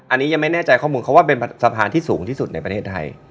อันนี้ยังไม่แน่ใจข้อมูลเขาว่าเป็นสะพานที่สูงที่สุดในประเทศไทย